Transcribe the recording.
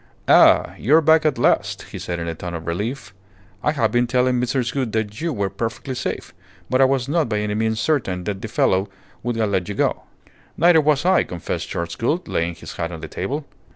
"Ah! You are back at last!" he said in a tone of relief. "I have been telling Mrs. Gould that you were perfectly safe, but I was not by any means certain that the fellow would have let you go." "Neither was I," confessed Charles Gould, laying his hat on the table.